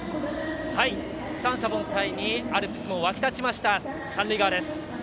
三者凡退にアルプスも沸き立ちました三塁側です。